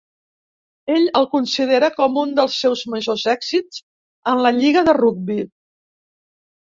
Ell el considera com un dels seus majors èxits en la lliga de rugbi.